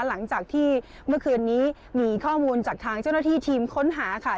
หลังจากที่เมื่อคืนนี้มีข้อมูลจากทางเจ้าหน้าที่ทีมค้นหาค่ะ